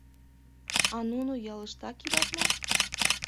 — А нуно ялыштак илат мо?